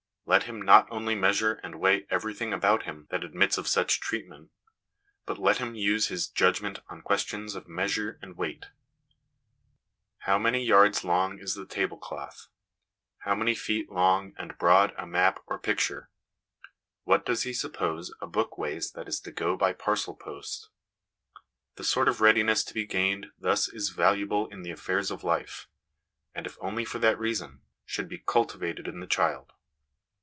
Let him not only measure and weigh everything about him that admits of such treatment, but let him use his judgment on questions of measure and weight. How many yards long is the tablecloth? how many feet long and broad a map, or picture ? What does he suppose a book weighs that is to go by parcel post ? The sort of readiness to be gained thus is valuable in the affairs of life, and, if only for that reason, should be cultivated in the child.